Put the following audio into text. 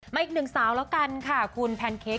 อีกหนึ่งสาวแล้วกันค่ะคุณแพนเค้ก